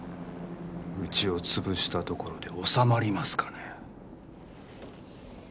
うちを潰したところでおさまりますかね？